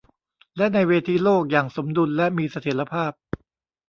และในเวทีโลกอย่างสมดุลและมีเสถียรภาพ